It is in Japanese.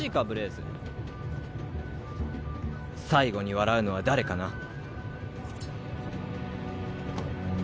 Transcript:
ブレーズ最後に笑うのは誰かな？